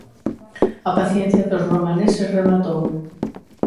A paciencia dos romaneses rematou.